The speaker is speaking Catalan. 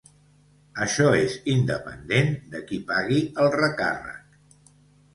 Això és independent de qui pagui el recàrrec.